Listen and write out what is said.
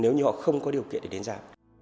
nếu như họ không có điều kiện để đến ra